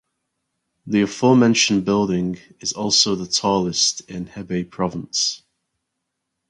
The aforementioned building is also the tallest in Hebei province.